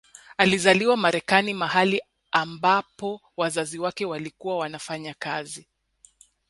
Alizaliwa Marekani mahali ambapo wazazi wake walikuwa wanafanya kazi